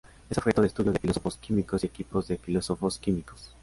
Es objeto de estudio de filósofos, químicos y equipos de filósofos y químicos.